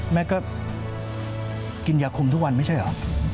แม่ก็กินยาคุมทุกวันไม่ใช่เหรอ